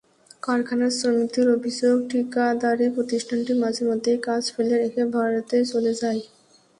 কারখানার শ্রমিকদের অভিযোগ, ঠিকাদারি প্রতিষ্ঠানটি মাঝেমধ্যেই কাজ ফেলে রেখে ভারতে চলে যায়।